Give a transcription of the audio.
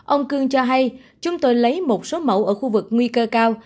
ông cương cho hay chúng tôi lấy một số mẫu ở khu vực nguy cơ cao